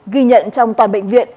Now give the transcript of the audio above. ghi nhận trong toàn bệnh viện